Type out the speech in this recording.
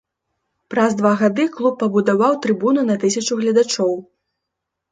Праз два гады клуб пабудаваў трыбуну на тысячу гледачоў.